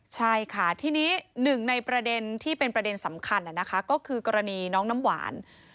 ใช่ค่ะทีนี้หนึ่งในประเด็นที่เป็นประเด็นสำคัญก็คือกรณีน้องน้ำหวาน